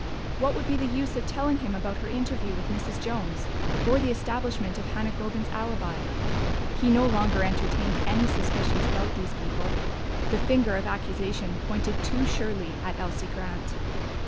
What would be the use of telling him about her interview with Mrs. Jones, or the establishment of Hannah Groben's alibi? He no longer entertained any suspicions about these people: the finger of accusation pointed too surely at Elsie Grant.